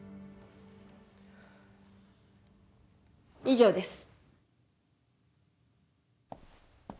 以上です。